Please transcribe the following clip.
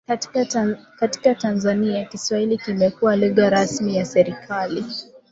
Katika Tanzania Kiswahili kimekuwa lugha rasmi ya serikali